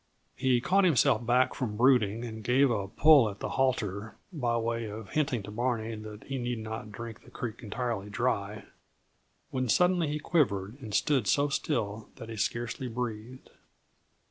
He caught himself back from brooding, and gave a pull at the halter by way of hinting to Barney that he need not drink the creek entirely dry when suddenly he quivered and stood so still that he scarcely breathed.